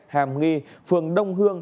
hàm nghi phường đông hương